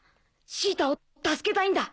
シータを助けたいんだ。